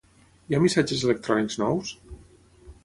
Hi ha missatges electrònics nous?